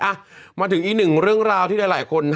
อ่ะมาถึงอีก๑เรื่องราวที่ได้หลายคน